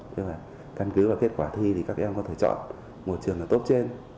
như là căn cứ và kết quả thi thì các em có thể chọn một trường là tốt trên